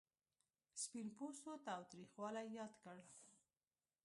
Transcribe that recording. سپین پوستو تاوتریخوالی یاد کړ.